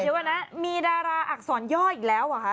เดี๋ยวก่อนหน้ามีดาราอักษรย่ออีกแล้ว